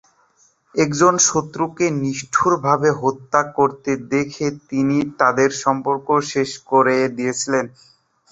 একজন শত্রুকে নিষ্ঠুরভাবে হত্যা করতে দেখে তিনি তাদের সম্পর্ক শেষ করে দিয়েছিলেন।